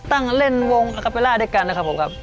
ตั้งเล่นวงอาคาเบล่าด้วยกันนะครับผมครับ